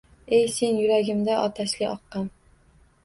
Ey sen, yuragimda otashli oqqan?